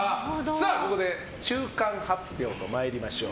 ここで中間発表と参りましょう。